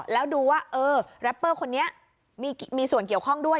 แล้วดูว่าแรปเปอร์คนนี้มีส่วนเกี่ยวข้องด้วย